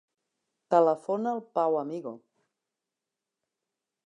Telefona al Pau Amigo.